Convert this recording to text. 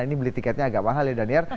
ini beli tiketnya agak mahal ya daniel